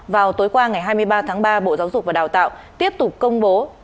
vào tối qua ngày hai mươi ba tháng ba bộ giáo dục và đào tạo tiếp tục công bố